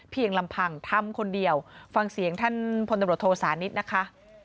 ลำพังทำคนเดียวฟังเสียงท่านพลตำรวจโทสานิทนะคะ